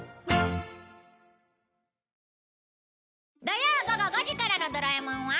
土曜午後５時からの『ドラえもん』は